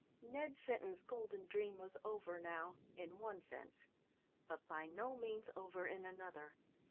Ned Sinton's golden dream was over now, in one sense, but by no means over in another.